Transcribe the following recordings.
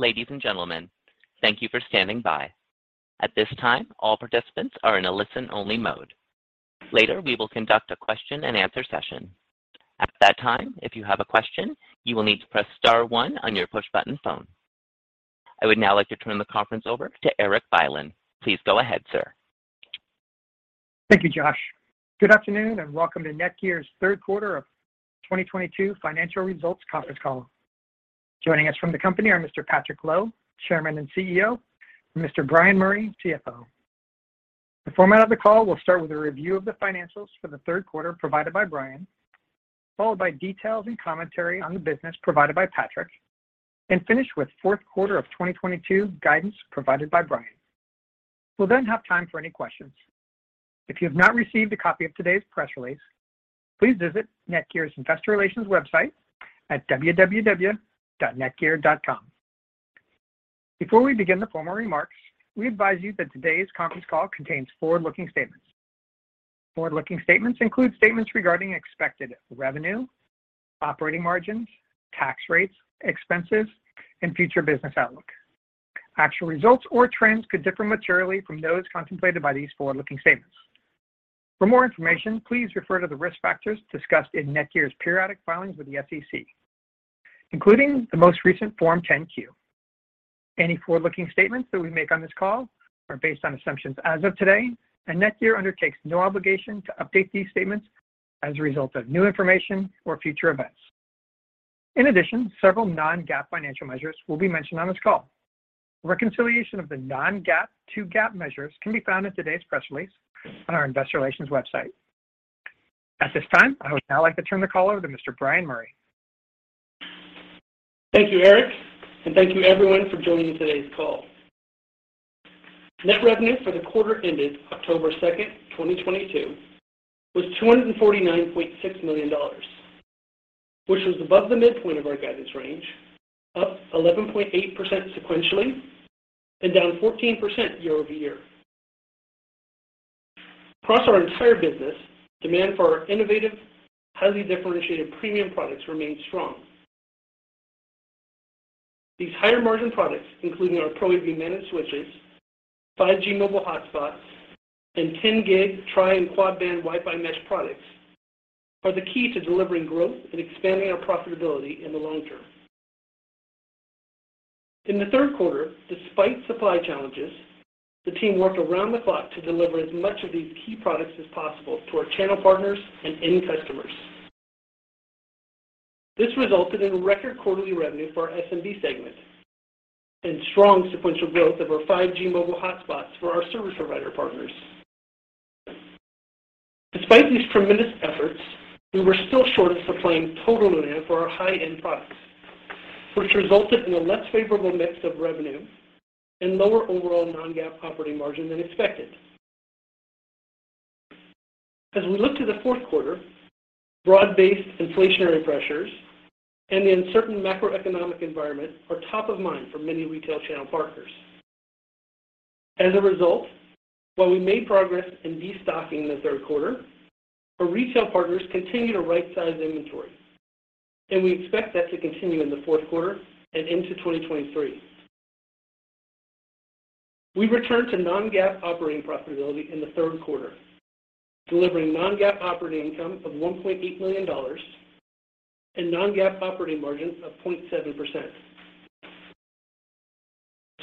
Ladies and gentlemen, thank you for standing by. At this time, all participants are in a listen-only mode. Later, we will conduct a question-and-answer session. At that time, if you have a question, you will need to press star one on your push-button phone. I would now like to turn the conference over to Erik Bylin. Please go ahead, sir. Thank you, Josh. Good afternoon, and welcome to NETGEAR's third quarter of 2022 financial results conference call. Joining us from the company are Mr. Patrick Lo, Chairman and CEO, and Mr. Bryan Murray, CFO. The format of the call will start with a review of the financials for the third quarter provided by Bryan, followed by details and commentary on the business provided by Patrick, and finish with fourth quarter of 2022 guidance provided by Bryan. We'll then have time for any questions. If you have not received a copy of today's press release, please visit NETGEAR's investor relations website at www.netgear.com. Before we begin the formal remarks, we advise you that today's conference call contains forward-looking statements. Forward-looking statements include statements regarding expected revenue, operating margins, tax rates, expenses, and future business outlook. Actual results or trends could differ materially from those contemplated by these forward-looking statements. For more information, please refer to the risk factors discussed in NETGEAR's periodic filings with the SEC, including the most recent Form 10-Q. Any forward-looking statements that we make on this call are based on assumptions as of today, and NETGEAR undertakes no obligation to update these statements as a result of new information or future events. In addition, several non-GAAP financial measures will be mentioned on this call. Reconciliation of the non-GAAP to GAAP measures can be found in today's press release on our investor relations website. At this time, I would now like to turn the call over to Mr. Bryan Murray. Thank you, Erik, and thank you everyone for joining today's call. Net revenue for the quarter ended October 2nd, 2022 was $249.6 million, which was above the midpoint of our guidance range, up 11.8% sequentially, and down 14% year-over-year. Across our entire business, demand for our innovative, highly differentiated premium products remained strong. These higher-margin products, including our Pro AV managed switches, 5G mobile hotspots, and 10 gig tri- and quad-band Wi-Fi mesh products, are the key to delivering growth and expanding our profitability in the long term. In the third quarter, despite supply challenges, the team worked around the clock to deliver as much of these key products as possible to our channel partners and end customers. This resulted in record quarterly revenue for our SMB segment and strong sequential growth of our 5G mobile hotspots for our service provider partners. Despite these tremendous efforts, we were still short of supplying total demand for our high-end products, which resulted in a less favorable mix of revenue and lower overall non-GAAP operating margin than expected. As we look to the fourth quarter, broad-based inflationary pressures and the uncertain macroeconomic environment are top of mind for many retail channel partners. As a result, while we made progress in destocking in the third quarter, our retail partners continue to right-size inventory, and we expect that to continue in the fourth quarter and into 2023. We returned to non-GAAP operating profitability in the third quarter, delivering non-GAAP operating income of $1.8 million and non-GAAP operating margin of 0.7%.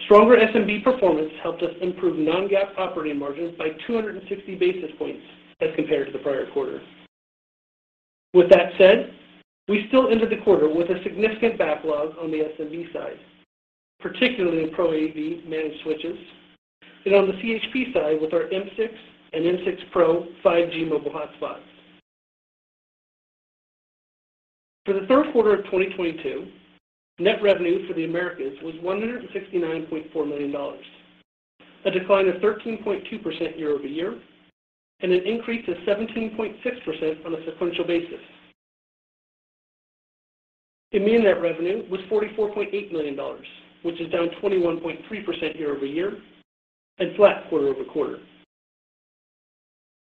Stronger SMB performance helped us improve non-GAAP operating margins by 260 basis points as compared to the prior quarter. With that said, we still ended the quarter with a significant backlog on the SMB side, particularly in Pro AV managed switches and on the CHP side with our M6 and M6 Pro 5G mobile hotspots. For the third quarter of 2022, net revenue for the Americas was $169.4 million, a decline of 13.2% year-over-year, and an increase of 17.6% on a sequential basis. EMEA net revenue was $44.8 million, which is down 21.3% year-over-year and flat quarter-over-quarter.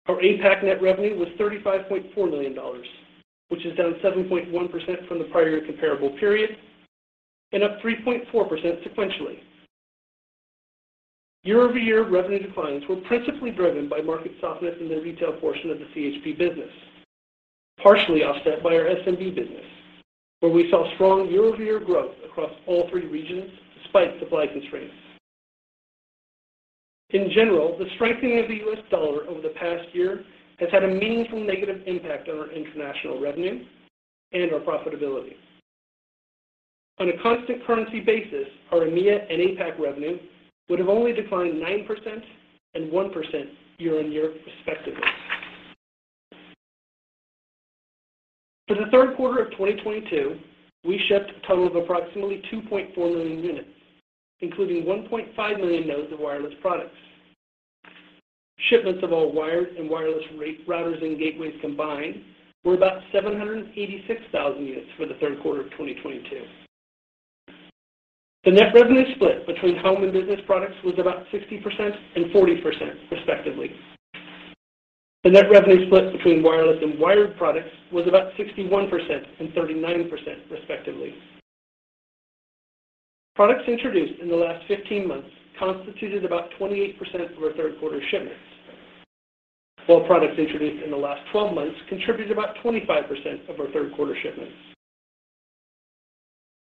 Our APAC net revenue was $35.4 million, which is down 7.1% from the prior comparable period and up 3.4% sequentially. Year-over-year revenue declines were principally driven by market softness in the retail portion of the CHP business, partially offset by our SMB business, where we saw strong year-over-year growth across all three regions despite supply constraints. In general, the strengthening of the U.S. dollar over the past year has had a meaningful negative impact on our international revenue and our profitability. On a constant currency basis, our EMEA and APAC revenue would have only declined 9% and 1% year-on-year respectively. For the third quarter of 2022, we shipped a total of approximately 2.4 million units, including 1.5 million nodes of wireless products. Shipments of all wired and wireless routers and gateways combined were about 786,000 units for the third quarter of 2022. The net revenue split between home and business products was about 60% and 40% respectively. The net revenue split between wireless and wired products was about 61% and 39% respectively. Products introduced in the last 15 months constituted about 28% of our third quarter shipments, while products introduced in the last 12 months contributed about 25% of our third quarter shipments.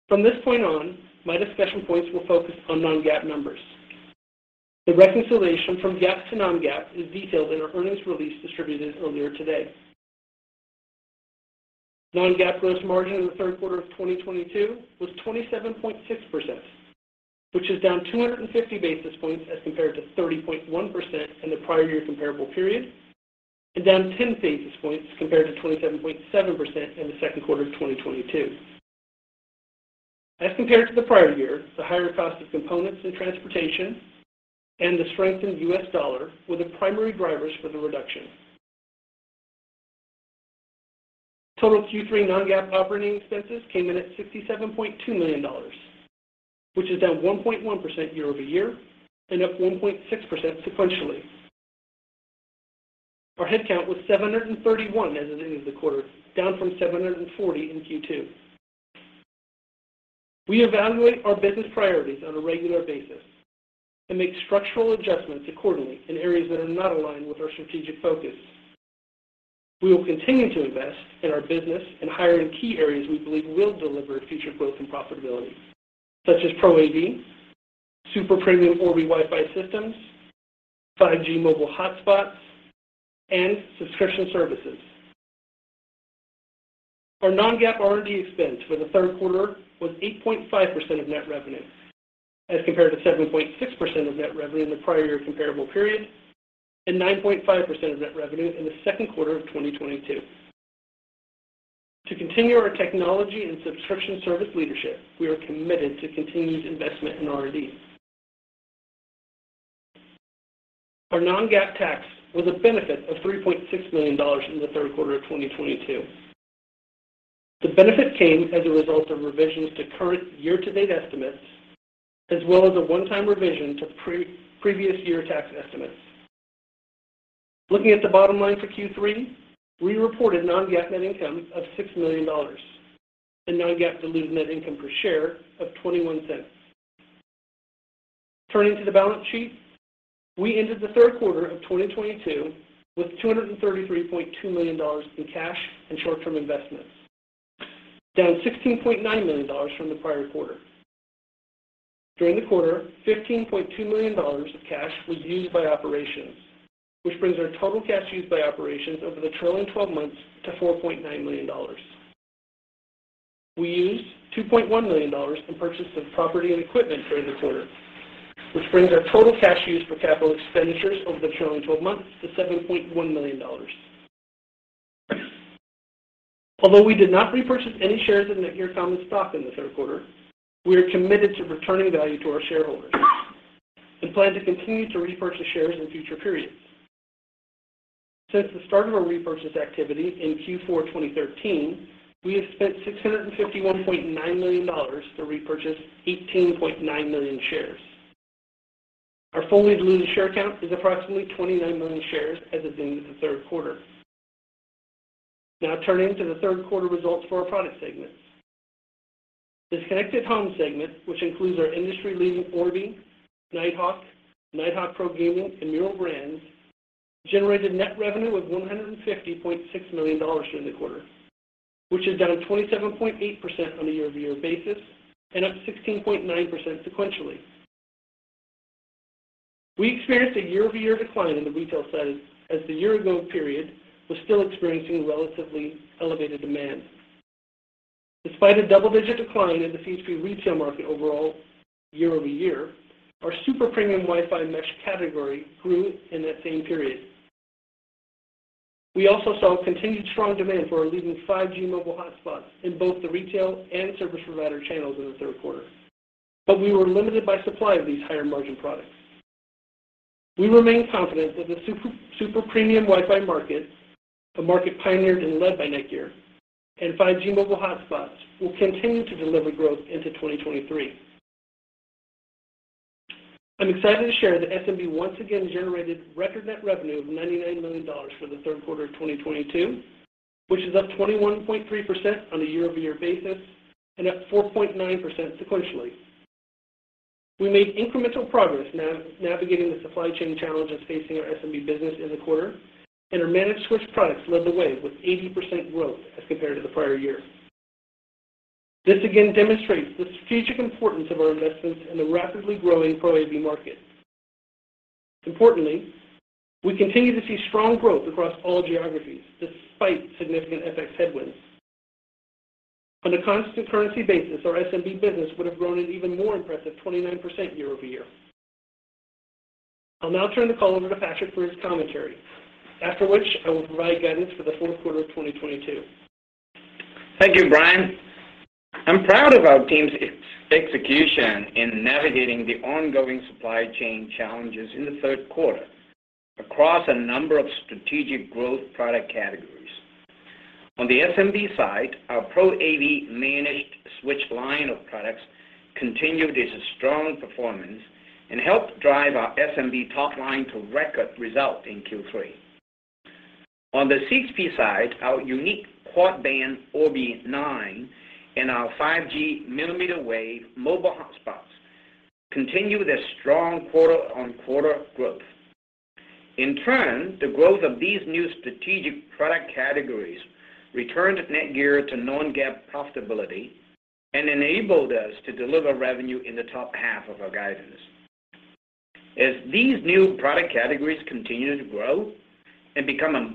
From this point on, my discussion points will focus on non-GAAP numbers. The reconciliation from GAAP to non-GAAP is detailed in our earnings release distributed earlier today. Non-GAAP gross margin in the third quarter of 2022 was 27.6%, which is down 250 basis points as compared to 30.1% in the prior year comparable period, and down 10 basis points compared to 27.7% in the second quarter of 2022. As compared to the prior year, the higher cost of components and transportation and the strengthened U.S. dollar were the primary drivers for the reduction. Total Q3 non-GAAP operating expenses came in at $67.2 million, which is down 1.1% year-over-year and up 1.6% sequentially. Our head count was 731 as of the end of the quarter, down from 740 in Q2. We evaluate our business priorities on a regular basis and make structural adjustments accordingly in areas that are not aligned with our strategic focus. We will continue to invest in our business and hire in key areas we believe will deliver future growth and profitability, such as Pro AV, super-premium Orbi Wi-Fi systems, 5G mobile hotspots, and subscription services. Our non-GAAP R&D expense for the third quarter was 8.5% of net revenue, as compared to 7.6% of net revenue in the prior year comparable period, and 9.5% of net revenue in the second quarter of 2022. To continue our technology and subscription service leadership, we are committed to continued investment in R&D. Our non-GAAP tax was a benefit of $3.6 million in the third quarter of 2022. The benefit came as a result of revisions to current year-to-date estimates, as well as a one-time revision to previous year tax estimates. Looking at the bottom line for Q3, we reported non-GAAP net income of $6 million and non-GAAP diluted net income per share of $0.21. Turning to the balance sheet, we ended the third quarter of 2022 with $233.2 million in cash and short-term investments, down $16.9 million from the prior quarter. During the quarter, $15.2 million of cash was used by operations, which brings our total cash used by operations over the trailing 12 months to $4.9 million. We used $2.1 million in purchase of property and equipment during the quarter, which brings our total cash used for capital expenditures over the trailing 12 months to $7.1 million. Although we did not repurchase any shares of NETGEAR common stock in the third quarter, we are committed to returning value to our shareholders and plan to continue to repurchase shares in future periods. Since the start of our repurchase activity in Q4 2013, we have spent $651.9 million to repurchase 18.9 million shares. Our fully diluted share count is approximately 29 million shares as of the end of the third quarter. Now turning to the third quarter results for our product segments. The Connected Home segment, which includes our industry-leading Orbi, Nighthawk Pro Gaming, and Meural brands, generated net revenue of $150.6 million during the quarter, which is down 27.8% on a year-over-year basis and up 16.9% sequentially. We experienced a year-over-year decline in the retail side as the year ago period was still experiencing relatively elevated demand. Despite a double-digit decline in the CHP retail market overall year-over-year, our super premium Wi-Fi mesh category grew in that same period. We also saw continued strong demand for our leading 5G mobile hotspots in both the retail and service provider channels in the third quarter, but we were limited by supply of these higher margin products. We remain confident that the super-premium Wi-Fi market, a market pioneered and led by NETGEAR, and 5G mobile hotspots will continue to deliver growth into 2023. I'm excited to share that SMB once again generated record net revenue of $99 million for the third quarter of 2022, which is up 21.3% on a year-over-year basis and up 4.9% sequentially. We made incremental progress navigating the supply chain challenges facing our SMB business in the quarter, and our managed switch products led the way with 80% growth as compared to the prior year. This again demonstrates the strategic importance of our investments in the rapidly growing Pro AV market. Importantly, we continue to see strong growth across all geographies despite significant FX headwinds. On a constant currency basis, our SMB business would have grown an even more impressive 29% year-over-year. I'll now turn the call over to Patrick for his commentary, after which I will provide guidance for the fourth quarter of 2022. Thank you, Bryan. I'm proud of our team's execution in navigating the ongoing supply chain challenges in the third quarter across a number of strategic growth product categories. On the SMB side, our Pro AV managed switch line of products continued its strong performance and helped drive our SMB top line to record result in Q3. On the CHP side, our unique quad band Orbi 9 and our 5G millimeter wave mobile hotspots continued their strong quarter-on-quarter growth. In turn, the growth of these new strategic product categories returned NETGEAR to non-GAAP profitability and enabled us to deliver revenue in the top half of our guidance. As these new product categories continue to grow and become a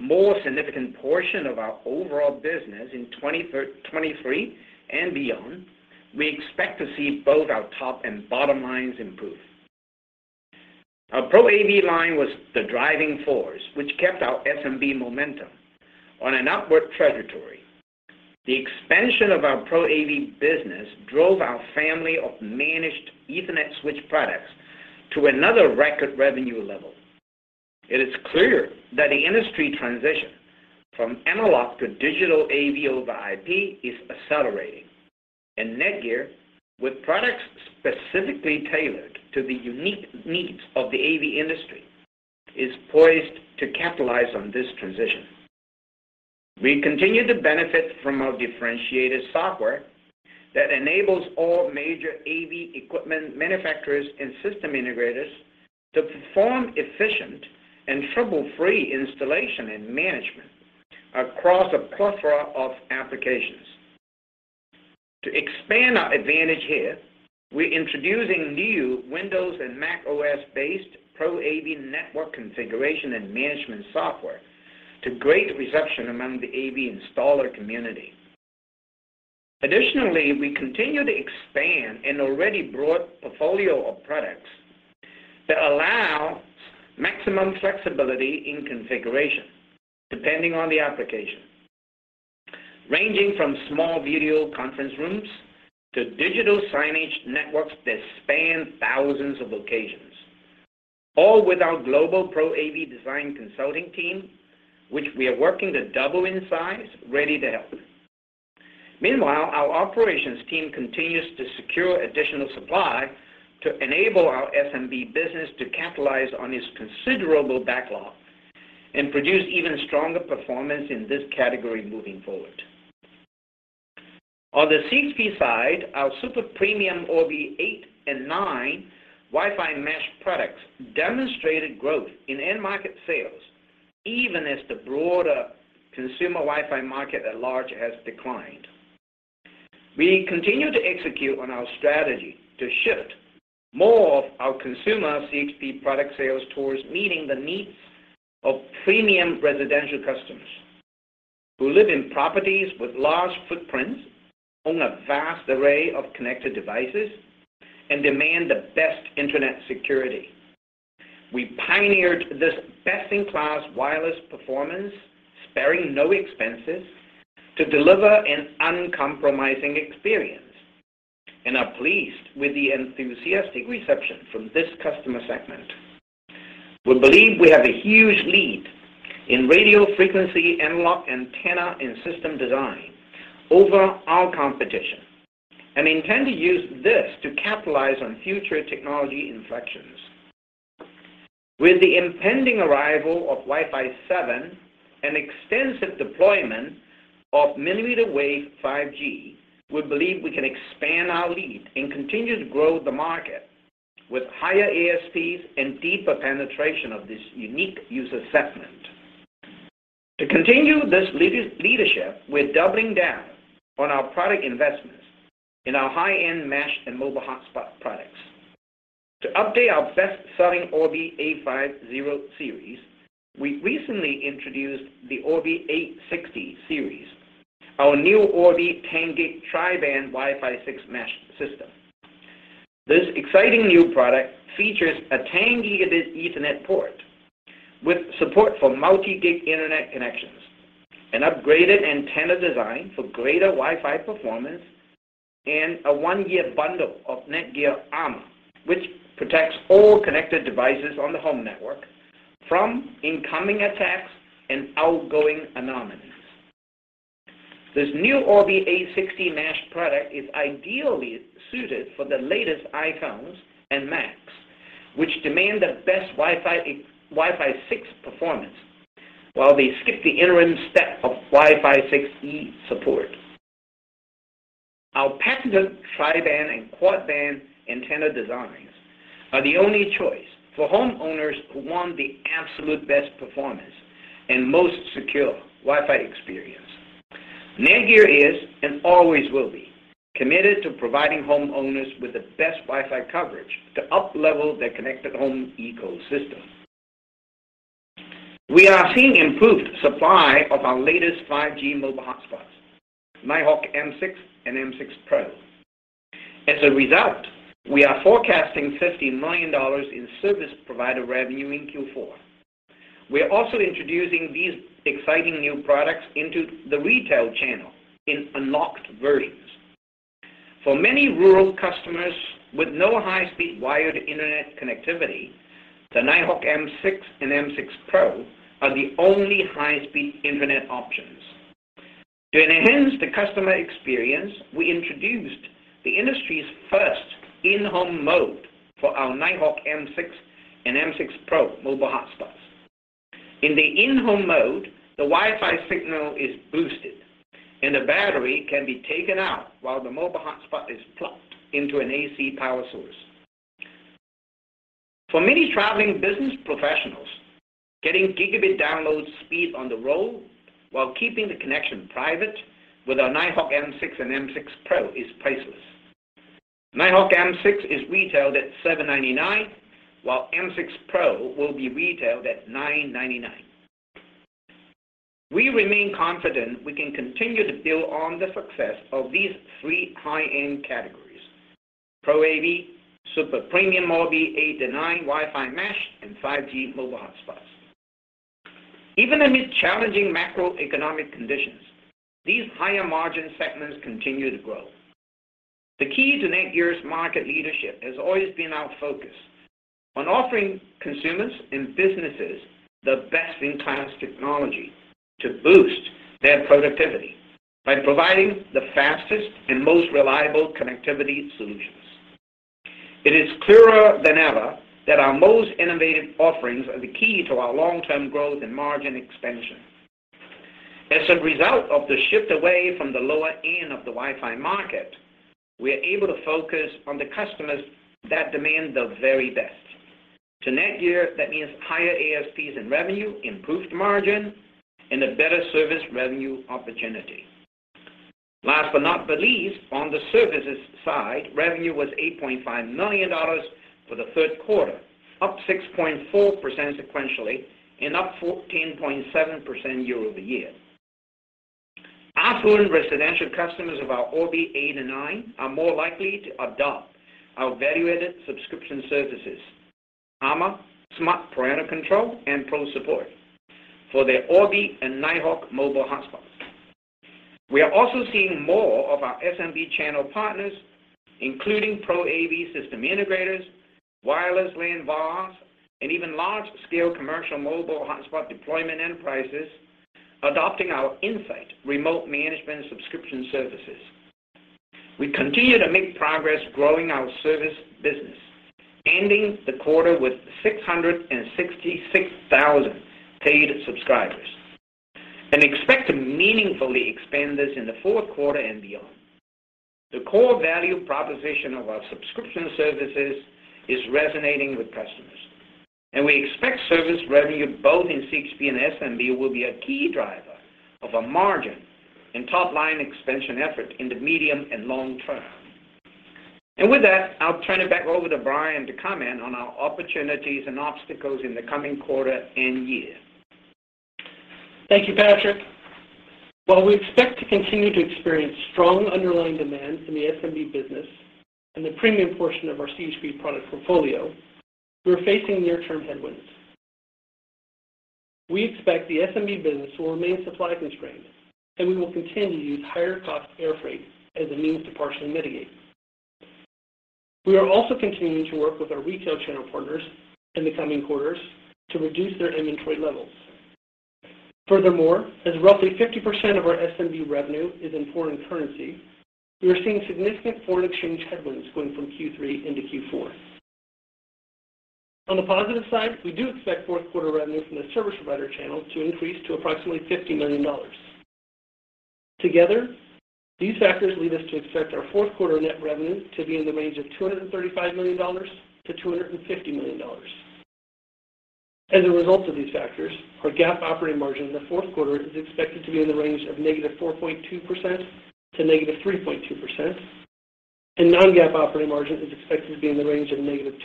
more significant portion of our overall business in 2023 and beyond, we expect to see both our top and bottom lines improve. Our Pro AV line was the driving force which kept our SMB momentum on an upward trajectory. The expansion of our Pro AV business drove our family of managed Ethernet switch products to another record revenue level. It is clear that the industry transition from analog to digital AV over IP is accelerating. NETGEAR, with products specifically tailored to the unique needs of the AV industry, is poised to capitalize on this transition. We continue to benefit from our differentiated software that enables all major AV equipment manufacturers and system integrators to perform efficient and trouble-free installation and management across a plethora of applications. To expand our advantage here, we're introducing new Windows and macOS-based Pro AV network configuration and management software to great reception among the AV installer community. Additionally, we continue to expand an already broad portfolio of products that allow maximum flexibility in configuration depending on the application, ranging from small video conference rooms to digital signage networks that span thousands of locations, all with our global Pro AV design consulting team, which we are working to double in size, ready to help. Meanwhile, our operations team continues to secure additional supply to enable our SMB business to capitalize on its considerable backlog and produce even stronger performance in this category moving forward. On the CHP side, our super premium Orbi 8 and Orbi 9 Wi-Fi mesh products demonstrated growth in end market sales even as the broader consumer Wi-Fi market at large has declined. We continue to execute on our strategy to shift more of our consumer CHP product sales towards meeting the needs of premium residential customers who live in properties with large footprints, own a vast array of connected devices, and demand the best internet security. We pioneered this best-in-class wireless performance, sparing no expenses, to deliver an uncompromising experience and are pleased with the enthusiastic reception from this customer segment. We believe we have a huge lead in radio frequency analog antenna and system design over our competition, and intend to use this to capitalize on future technology inflections. With the impending arrival of Wi-Fi 7 and extensive deployment of millimeter wave 5G, we believe we can expand our lead and continue to grow the market with higher ASPs and deeper penetration of this unique user segment. To continue this leadership, we're doubling down on our product investments in our high-end mesh and mobile hotspot products. To update our best-selling Orbi 850 series, we recently introduced the Orbi 860 series, our new Orbi 10 gig tri-band Wi-Fi 6 mesh system. This exciting new product features a 10 Gb Ethernet port with support for multi-gig internet connections, an upgraded antenna design for greater Wi-Fi performance, and a one-year bundle of NETGEAR Armor, which protects all connected devices on the home network from incoming attacks and outgoing anomalies. This new Orbi 860 mesh product is ideally suited for the latest iPhones and Macs, which demand the best Wi-Fi 6 performance while they skip the interim step of Wi-Fi 6E support. Our patented tri-band and quad-band antenna designs are the only choice for homeowners who want the absolute best performance and most secure Wi-Fi experience. NETGEAR is, and always will be, committed to providing homeowners with the best Wi-Fi coverage to uplevel their connected home ecosystem. We are seeing improved supply of our latest 5G mobile hotspots, Nighthawk M6 and M6 Pro. As a result, we are forecasting $50 million in service provider revenue in Q4. We are also introducing these exciting new products into the retail channel in unlocked versions. For many rural customers with no high-speed wired internet connectivity, the Nighthawk M6 and M6 Pro are the only high-speed internet options. To enhance the customer experience, we introduced the industry's first in-home mode for our Nighthawk M6 and M6 Pro mobile hotspots. In the in-home mode, the Wi-Fi signal is boosted, and the battery can be taken out while the mobile hotspot is plugged into an AC power source. For many traveling business professionals, getting gigabit download speed on the road while keeping the connection private with our Nighthawk M6 and M6 Pro is priceless. Nighthawk M6 is retailed at $799, while M6 Pro will be retailed at $999. We remain confident we can continue to build on the success of these three high-end categories, Pro AV, super-premium Orbi 8 and Orbi 9 Wi-Fi Mesh, and 5G mobile hotspots. Even amid challenging macroeconomic conditions, these higher margin segments continue to grow. The key to NETGEAR's market leadership has always been our focus on offering consumers and businesses the best-in-class technology to boost their productivity by providing the fastest and most reliable connectivity solutions. It is clearer than ever that our most innovative offerings are the key to our long-term growth and margin expansion. As a result of the shift away from the lower end of the Wi-Fi market, we are able to focus on the customers that demand the very best. To NETGEAR, that means higher ASPs and revenue, improved margin, and a better service revenue opportunity. Last but not the least, on the services side, revenue was $8.5 million for the third quarter, up 6.4% sequentially and up 14.7% year-over-year. Our full residential customers of our Orbi 8 and Orbi 9 are more likely to adopt our value-added subscription services, Armor, Smart Parental Controls, and ProSupport for their Orbi and Nighthawk mobile hotspots. We are also seeing more of our SMB channel partners, including Pro AV system integrators, wireless LAN VARs, and even large-scale commercial mobile hotspot deployment enterprises adopting our Insight remote management subscription services. We continue to make progress growing our service business, ending the quarter with 666,000 paid subscribers and expect to meaningfully expand this in the fourth quarter and beyond. The core value proposition of our subscription services is resonating with customers, and we expect service revenue both in CHP and SMB will be a key driver of our margin and top-line expansion effort in the medium and long term. With that, I'll turn it back over to Bryan to comment on our opportunities and obstacles in the coming quarter and year. Thank you, Patrick. While we expect to continue to experience strong underlying demand in the SMB business and the premium portion of our CHP product portfolio, we are facing near-term headwinds. We expect the SMB business will remain supply constrained, and we will continue to use higher-cost air freight as a means to partially mitigate. We are also continuing to work with our retail channel partners in the coming quarters to reduce their inventory levels. Furthermore, as roughly 50% of our SMB revenue is in foreign currency, we are seeing significant foreign exchange headwinds going from Q3 into Q4. On the positive side, we do expect fourth quarter revenue from the service provider channel to increase to approximately $50 million. Together, these factors lead us to expect our fourth quarter net revenue to be in the range of $235 million-$250 million. As a result of these factors, our GAAP operating margin in the fourth quarter is expected to be in the range of -4.2% to -3.2%, and non-GAAP operating margin is expected to be in the range of -2%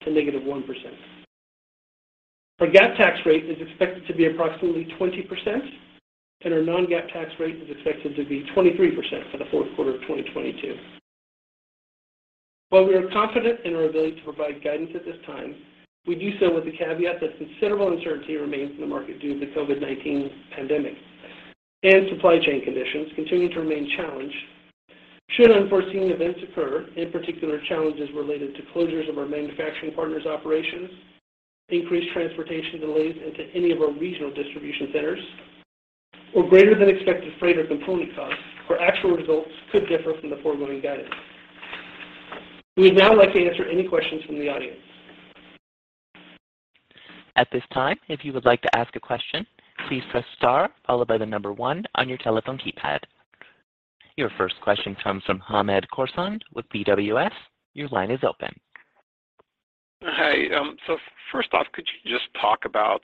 to -1%. Our GAAP tax rate is expected to be approximately 20%, and our non-GAAP tax rate is expected to be 23% for the fourth quarter of 2022. While we are confident in our ability to provide guidance at this time, we do so with the caveat that considerable uncertainty remains in the market due to the COVID-19 pandemic, and supply chain conditions continue to remain challenged. Should unforeseen events occur, in particular challenges related to closures of our manufacturing partners' operations, increased transportation delays into any of our regional distribution centers, or greater than expected freight or component costs, our actual results could differ from the foregoing guidance. We would now like to answer any questions from the audience. At this time, if you would like to ask a question, please press star followed by the number one on your telephone keypad. Your first question comes from Hamed Khorsand with BWS. Your line is open. Hi, first off, could you just talk about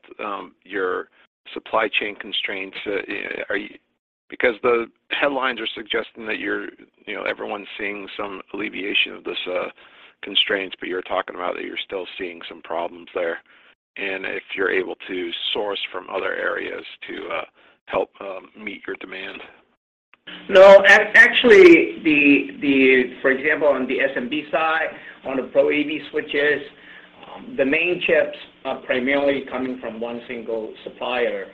your supply chain constraints? Because the headlines are suggesting that you're, you know, everyone's seeing some alleviation of these constraints, but you're talking about that you're still seeing some problems there, and if you're able to source from other areas to help meet your demand. No, actually, for example, on the SMB side, on the Pro AV switches, the main chips are primarily coming from one single supplier.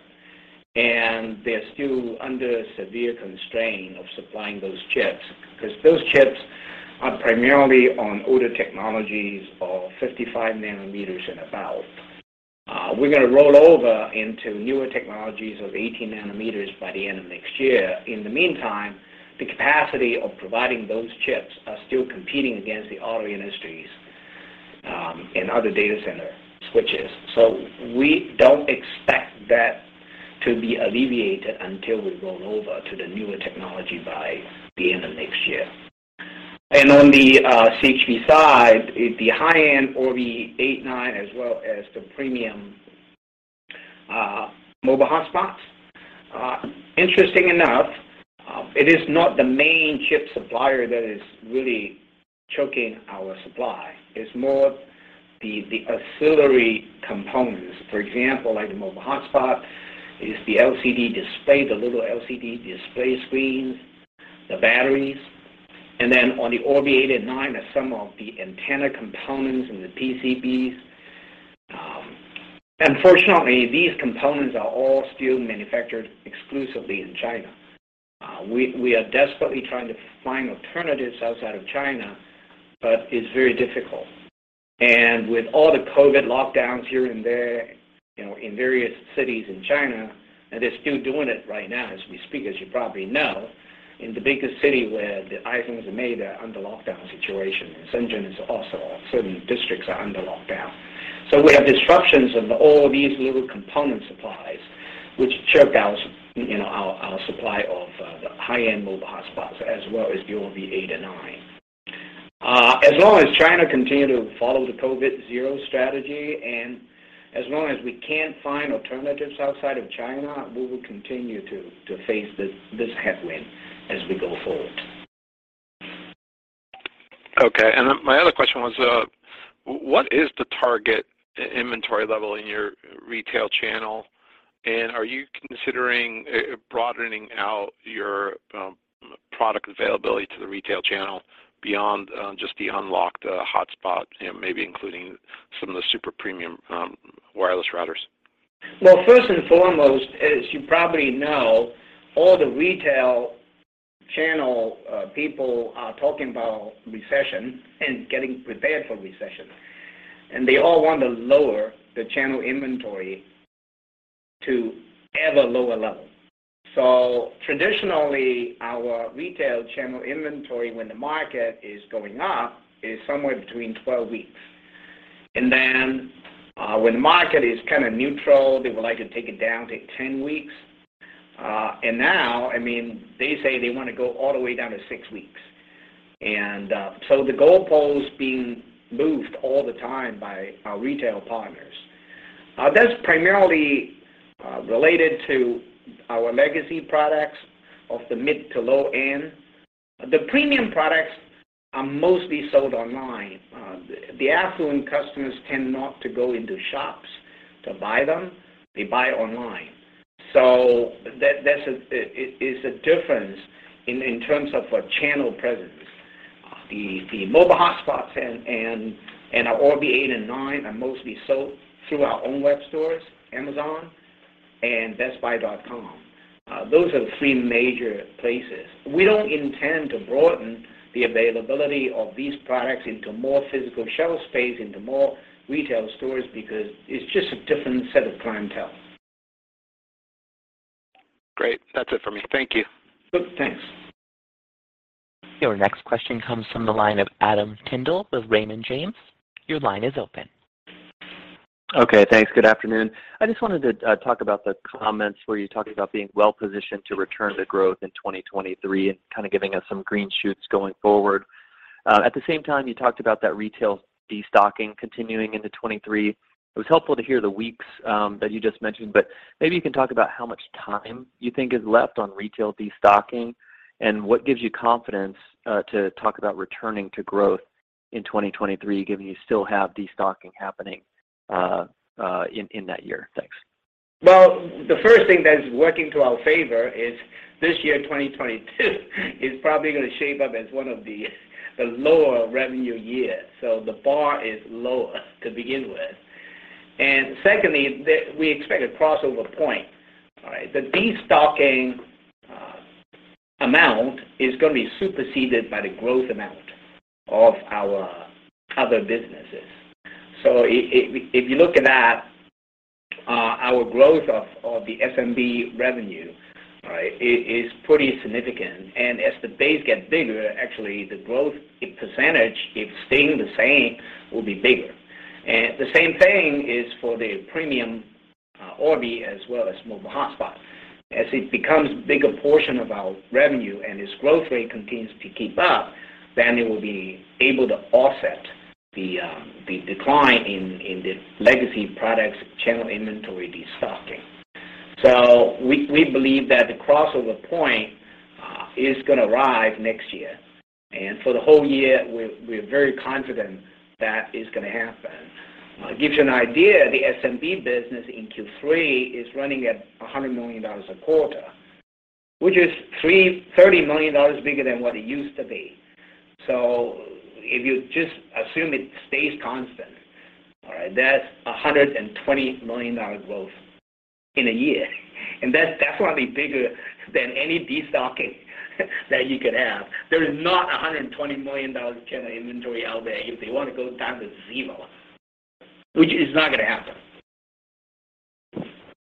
They're still under severe constraint of supplying those chips, 'cause those chips are primarily on older technologies of 55 nm and above. We're gonna roll over into newer technologies of 18 nm by the end of next year. In the meantime, the capacity of providing those chips are still competing against the auto industries, and other data center switches. So we don't expect that to be alleviated until we roll over to the newer technology by the end of next year. On the CHP side, the high-end Orbi 8, Orbi 9 as well as the premium mobile hotspots. Interesting enough, it is not the main chip supplier that is really choking our supply. It's more the auxiliary components. For example, like the mobile hotspot is the LCD display, the little LCD display screens, the batteries. Then on the Orbi 8 and Orbi 9 are some of the antenna components and the PCBs. Unfortunately, these components are all still manufactured exclusively in China. We are desperately trying to find alternatives outside of China, but it's very difficult. With all the COVID lockdowns here and there, you know, in various cities in China, and they're still doing it right now as we speak, as you probably know, in the biggest city where the iPhones are made are under lockdown situation. Shenzhen is also, certain districts are under lockdown. We have disruptions of all these little component supplies which choke our, you know, supply of the high-end mobile hotspots as well as the Orbi 8 and Orbi 9. As long as China continue to follow the COVID zero strategy, and as long as we can't find alternatives outside of China, we will continue to face this headwind as we go forward. Okay. My other question was, what is the target inventory level in your retail channel? Are you considering broadening out your product availability to the retail channel beyond just the unlocked hotspot, you know, maybe including some of the super-premium wireless routers? Well, first and foremost, as you probably know, all the retail channel people are talking about recession and getting prepared for recession, and they all want to lower the channel inventory to ever lower level. Traditionally, our retail channel inventory, when the market is going up, is somewhere between 12 weeks. When the market is kinda neutral, they would like to take it down to 10 weeks. I mean, they say they wanna go all the way down to six weeks. The goalpost being moved all the time by our retail partners. That's primarily related to our legacy products of the mid to low end. The premium products are mostly sold online. The affluent customers tend not to go into shops to buy them. They buy online. That's a difference in terms of a channel presence. The mobile hotspots and our Orbi 8 and Orbi 9 are mostly sold through our own web stores, Amazon and BestBuy.com. Those are the three major places. We don't intend to broaden the availability of these products into more physical shelf space, into more retail stores because it's just a different set of clientele. Great. That's it for me. Thank you. Good. Thanks. Your next question comes from the line of Adam Tindle with Raymond James. Your line is open. Okay, thanks. Good afternoon. I just wanted to talk about the comments where you talked about being well-positioned to return to growth in 2023 and kinda giving us some green shoots going forward. At the same time, you talked about that retail destocking continuing into 2023. It was helpful to hear the weeks that you just mentioned, but maybe you can talk about how much time you think is left on retail destocking and what gives you confidence to talk about returning to growth in 2023, given you still have destocking happening in that year. Thanks. Well, the first thing that is working to our favor is this year, 2022, is probably gonna shape up as one of the lower revenue year. The bar is lower to begin with. Secondly, we expect a crossover point. All right. The destocking amount is gonna be superseded by the growth amount of our other businesses. If you're looking at our growth of the SMB revenue, all right, it is pretty significant. As the base get bigger, actually the growth percentage, if staying the same, will be bigger. The same thing is for the premium Orbi as well as mobile hotspot. As it becomes bigger portion of our revenue and its growth rate continues to keep up, then it will be able to offset the decline in the legacy products channel inventory destocking. We believe that the crossover point is gonna arrive next year. For the whole year, we're very confident that is gonna happen. Gives you an idea, the SMB business in Q3 is running at $100 million a quarter, which is $30 million bigger than what it used to be. If you just assume it stays constant. All right, that's $120 million growth in a year, and that's definitely bigger than any destocking that you could have. There is not $120 million of channel inventory out there if they want to go down to zero, which is not gonna happen.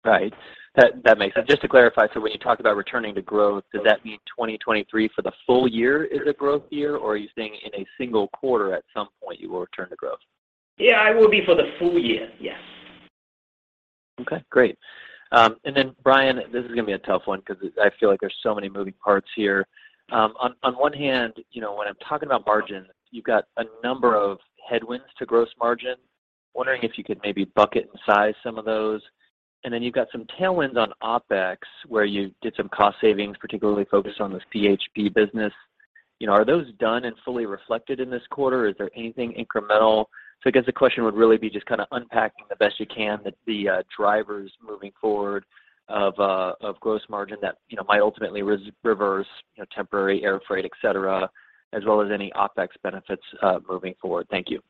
Right. That makes sense. Just to clarify, so when you talk about returning to growth, does that mean 2023 for the full year is a growth year, or are you saying in a single quarter at some point you will return to growth? Yeah, it will be for the full year. Yes. Okay, great. Bryan, this is gonna be a tough one because I feel like there's so many moving parts here. On one hand, you know, when I'm talking about margin, you've got a number of headwinds to gross margin. Wondering if you could maybe bucket and size some of those. You've got some tailwinds on OpEx, where you did some cost savings, particularly focused on the CHP business. You know, are those done and fully reflected in this quarter? Is there anything incremental? I guess the question would really be just kinda unpacking the best you can the drivers moving forward of gross margin that, you know, might ultimately reverse, you know, temporary air freight, et cetera, as well as any OpEx benefits moving forward. Thank you.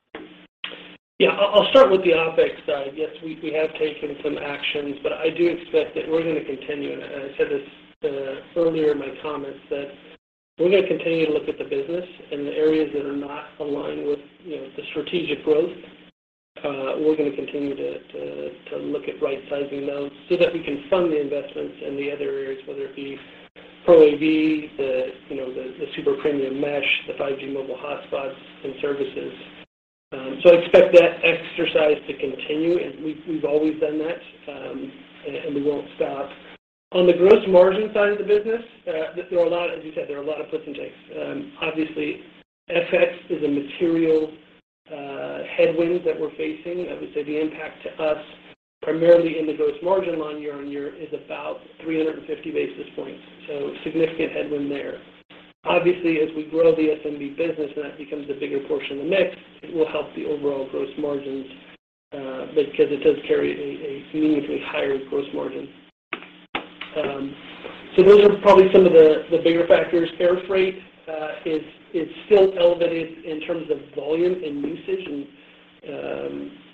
Yeah. I'll start with the OpEx side. Yes, we have taken some actions, but I do expect that we're gonna continue. I said this earlier in my comments that we're gonna continue to look at the business and the areas that are not aligned with, you know, the strategic growth. We're gonna continue to look at right-sizing those so that we can fund the investments in the other areas, whether it be Pro AV, you know, the super-premium mesh, the 5G mobile hotspots and services. I expect that exercise to continue, and we've always done that, and we won't stop. On the gross margin side of the business, there are a lot, as you said, there are a lot of puts and takes. Obviously, FX is a material headwind that we're facing. I would say the impact to us primarily in the gross margin line year-on-year is about 350 basis points, so significant headwind there. Obviously, as we grow the SMB business and that becomes a bigger portion of the mix, it will help the overall gross margins, because it does carry a meaningfully higher gross margin. Those are probably some of the bigger factors. Air freight is still elevated in terms of volume and usage.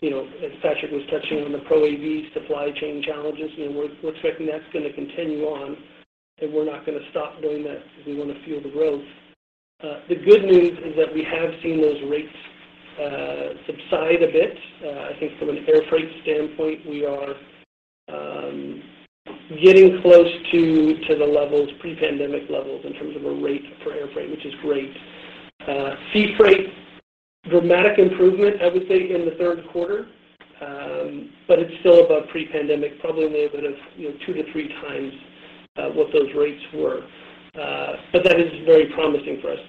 You know, as Patrick was touching on the Pro AV supply chain challenges, you know, we're expecting that's gonna continue on, and we're not gonna stop doing that because we wanna fuel the growth. The good news is that we have seen those rates subside a bit. I think from an air freight standpoint, we are getting close to the levels, pre-pandemic levels in terms of a rate for air freight, which is great. Sea freight, dramatic improvement, I would say, in the third quarter. It's still above pre-pandemic, probably in the order of, you know, 2-3x what those rates were. That is very promising for us.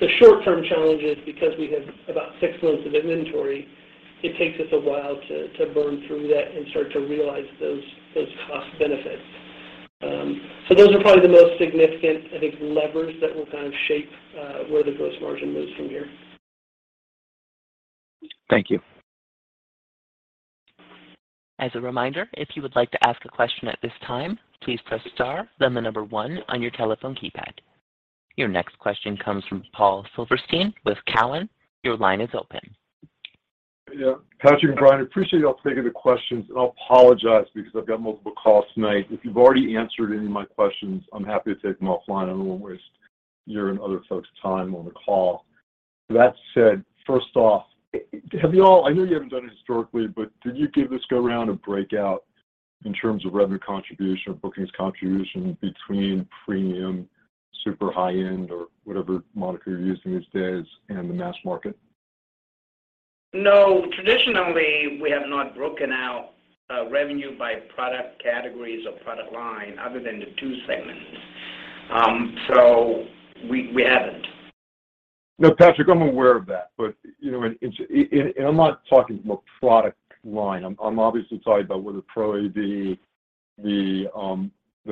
The short-term challenge is because we have about six months of inventory, it takes us a while to burn through that and start to realize those cost benefits. Those are probably the most significant, I think, levers that will kind of shape where the gross margin moves from here. Thank you. As a reminder, if you would like to ask a question at this time, please press star, then the number one on your telephone keypad. Your next question comes from Paul Silverstein with Cowen. Your line is open. Yeah. Patrick and Bryan, appreciate y'all taking the questions, and I'll apologize because I've got multiple calls tonight. If you've already answered any of my questions, I'm happy to take them offline. I don't want to waste your and other folks' time on the call. That said, first off, have y'all, I know you haven't done it historically, but did you give this go round a breakout in terms of revenue contribution or bookings contribution between premium, super high-end or whatever moniker you're using these days and the mass market? No. Traditionally, we have not broken out revenue by product categories or product line other than the two segments. We haven't. No, Patrick, I'm aware of that. But, you know, and I'm not talking from a product line. I'm obviously talking about whether Pro AV, the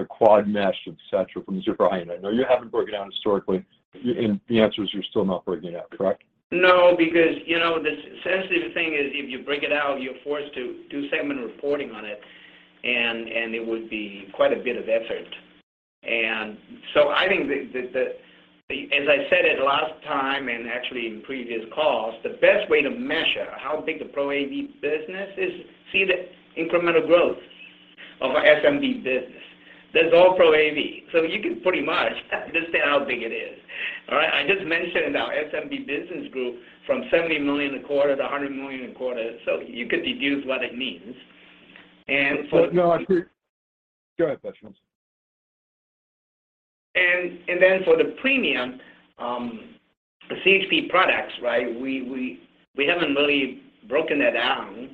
quad mesh, et cetera, from a super high-end. I know you haven't broken it down historically. The answer is you're still not breaking it out, correct? No, because, you know, the sensitive thing is if you break it out, you're forced to do segment reporting on it, and it would be quite a bit of effort. I think as I said it last time and actually in previous calls, the best way to measure how big the Pro AV business is, see the incremental growth of our SMB business. That's all Pro AV. You can pretty much understand how big it is. All right. I just mentioned our SMB business grew from $70 million a quarter to $100 million a quarter. You could deduce what it means. For- No, go ahead, Patrick. Then for the premium, the CHP products, right? We haven't really broken that down.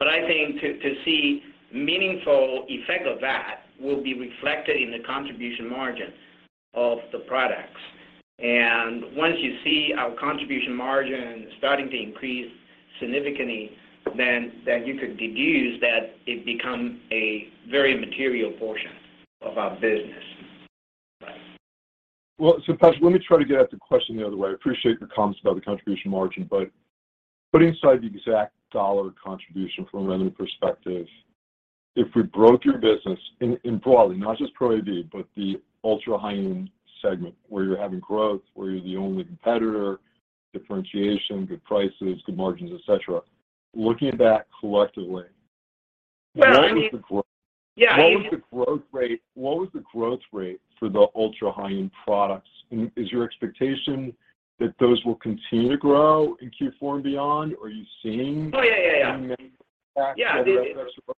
I think to see meaningful effect of that will be reflected in the contribution margin of the products. Once you see our contribution margin starting to increase significantly, then you could deduce that it become a very material portion of our business. Patrick, let me try to get at the question the other way. I appreciate your comments about the contribution margin, but putting aside the exact dollar contribution from a revenue perspective. If we broke your business in broadly, not just Pro AV, but the ultra-high-end segment where you're having growth, where you're the only competitor, differentiation, good prices, good margins, et cetera. Looking at that collectively. Well, I mean. What was the growth? Yeah. What was the growth rate for the ultra-high-end products? Is your expectation that those will continue to grow in Q4 and beyond? Are you seeing Oh, yeah. seeing any impact. Yeah. in the ultra-high end or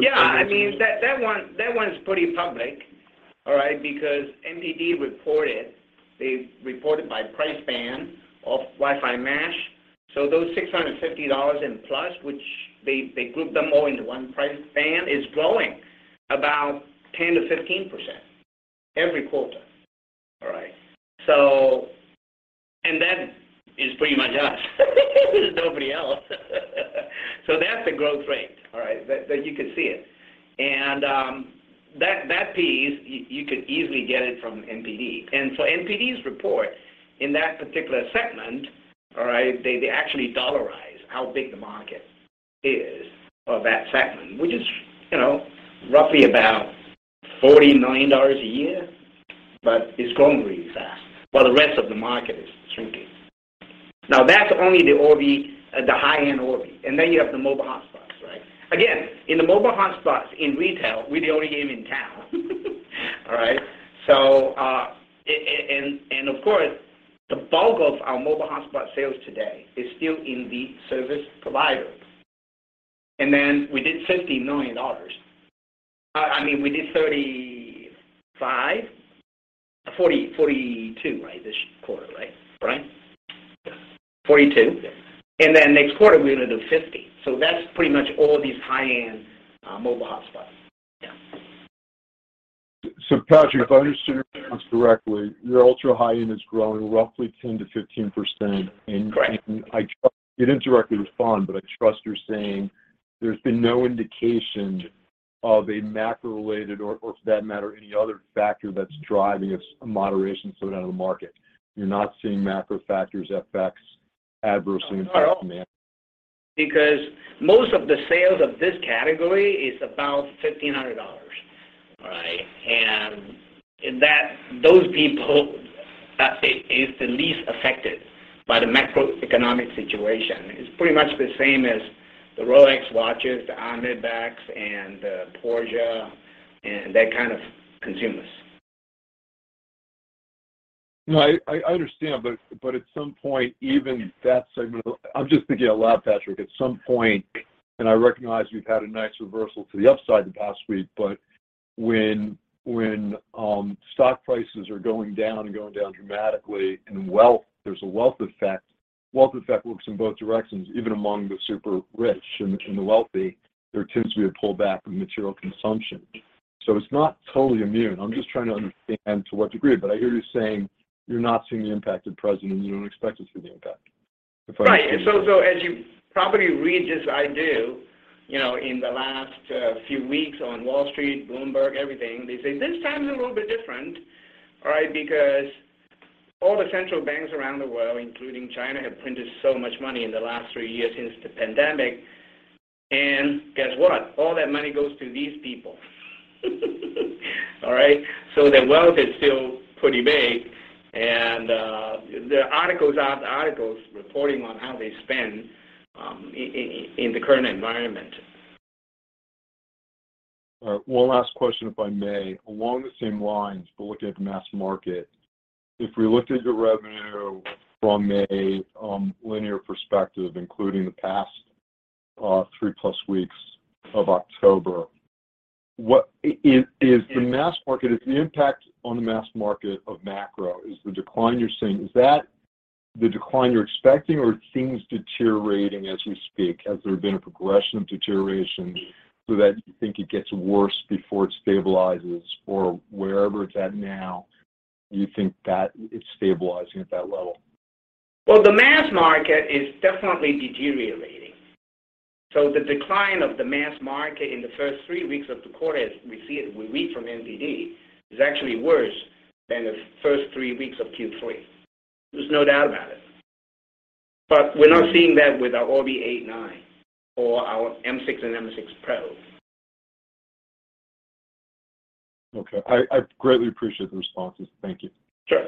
Yeah. I mean, that one is pretty public, all right? Because NPD reported, they reported by price band of Wi-Fi mesh. Those $650 and plus, which they group them all into one price band, is growing about 10%-15% every quarter, all right? That is pretty much us. There's nobody else. That's the growth rate, all right? That you can see it. That piece, you could easily get it from NPD. NPD's report in that particular segment, all right, they actually dollarize how big the market is of that segment, which is roughly about $40 million a year. But it's growing really fast, while the rest of the market is shrinking. Now that's only the Orbi, the high-end Orbi, and then you have the mobile hotspots, right? Again, in the mobile hotspots in retail, we're the only game in town. All right. And of course, the bulk of our mobile hotspot sales today is still in the service providers. Then we did $50 million. I mean, we did $35 million, $40 million, $42 million, right, this quarter, right, Bryan? Yes. $42 million. Yes. Next quarter we're gonna do $50 million. That's pretty much all these high-end mobile hotspots. Patrick, if I understood your answer correctly, your ultra-high end is growing roughly 10%-15%. Correct. It indirectly was fun, but I trust you're saying there's been no indication of a macro-related or, for that matter, any other factor that's driving a moderation sort of out of the market. You're not seeing macro factors affects adversely impact demand. Because most of the sales of this category is about $1,500, all right? Those people is the least affected by the macroeconomic situation. It's pretty much the same as the Rolex watches, the Hermès bags, and the Porsche, and that kind of consumers. No, I understand, but at some point, even that segment. I'm just thinking out loud, Patrick. I recognize we've had a nice reversal to the upside the past week, but when stock prices are going down and going down dramatically and wealth, there's a wealth effect. Wealth effect works in both directions, even among the super-rich and the wealthy, there tends to be a pullback from material consumption, so it's not totally immune. I'm just trying to understand to what degree. I hear you saying you're not seeing the impact at present, and you don't expect to see the impact, if I understand. Right. As you probably read as I do, you know, in the last few weeks on Wall Street, Bloomberg, everything, they say this time is a little bit different, all right, because all the central banks around the world, including China, have printed so much money in the last three years since the pandemic. Guess what? All that money goes to these people. All right? Their wealth is still pretty big. The articles after articles reporting on how they spend in the current environment. All right. One last question, if I may. Along the same lines, but looking at mass market. If we looked at your revenue from a linear perspective, including the past three-plus weeks of October, what is the mass market, is the impact on the mass market of macro, is the decline you're seeing, is that the decline you're expecting or things deteriorating as we speak? Has there been a progression of deterioration so that you think it gets worse before it stabilizes, or wherever it's at now, you think that it's stabilizing at that level? Well, the mass market is definitely deteriorating. The decline of the mass market in the first three weeks of the quarter, as we see it, we read from NPD, is actually worse than the first three weeks of Q3. There's no doubt about it. We're not seeing that with our Orbi 8, Orbi 9, or our M6 and M6 Pro. Okay. I greatly appreciate the responses. Thank you. Sure.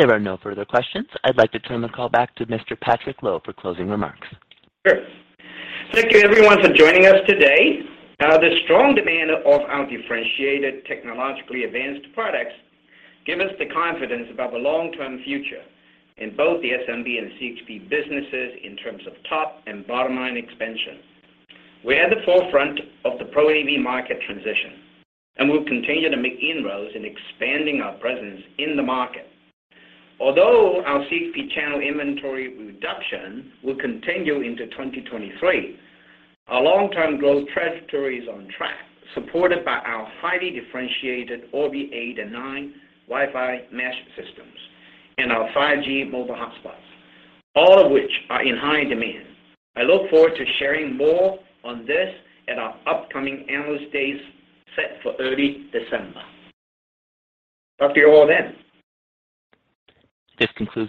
There are no further questions. I'd like to turn the call back to Mr. Patrick Lo for closing remarks. Sure. Thank you everyone for joining us today. The strong demand of our differentiated technologically advanced products give us the confidence about the long-term future in both the SMB and the CHP businesses in terms of top and bottom-line expansion. We're at the forefront of the Pro AV market transition, and we'll continue to make inroads in expanding our presence in the market. Although our CHP channel inventory reduction will continue into 2023, our long-term growth trajectory is on track, supported by our highly differentiated Orbi 8 and Orbi 9 Wi-Fi mesh systems and our 5G mobile hotspots, all of which are in high demand. I look forward to sharing more on this at our upcoming Analyst Days set for early December. Talk to you all then. This concludes today's.